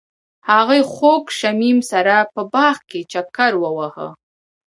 هغوی د خوږ شمیم سره په باغ کې چکر وواهه.